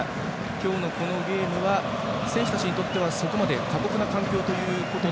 今日のこのゲームは選手たちにとってはそこまで過酷な環境では。